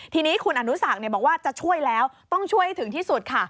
ทีนี้คุณอนุสักบอกว่าจะช่วยแล้วต้องช่วยให้ถึงที่สุดค่ะ